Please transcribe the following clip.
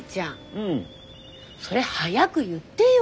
うん。それ早く言ってよ。